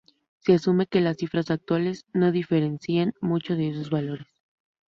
Se asume que las cifras actuales no difieren mucho de esos valores.